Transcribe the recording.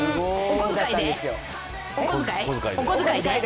お小遣いで？